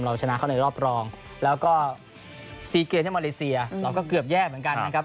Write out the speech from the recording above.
ชนะเขาในรอบรองแล้วก็ซีเกมที่มาเลเซียเราก็เกือบแย่เหมือนกันนะครับ